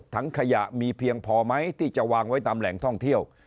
ถังขยะมีเพียงพอไหมที่จะวางไว้ตามแหล่งท่องเที่ยว